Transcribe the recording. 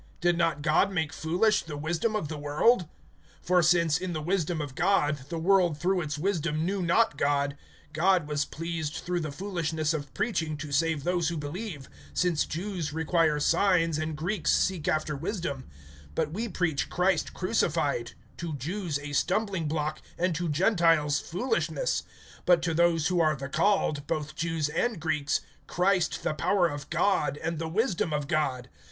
Did not God make foolish the wisdom of the world? (21)For since, in the wisdom of God, the world through its wisdom knew not God, God was pleased through the foolishness of preaching to save those who believe; (22)since Jews require signs, and Greeks seek after wisdom, (23)but we preach Christ crucified, to Jews a stumbling block, and to Gentiles foolishness, (24)but to those who are the called, both Jews and Greeks, Christ the power of God, and the wisdom of God.